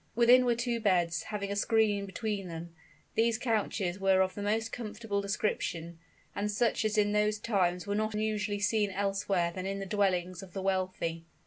Within were two beds, having a screen between them. These couches were of the most comfortable description, and such as in those times were not usually seen elsewhere than in the dwellings of the wealthy.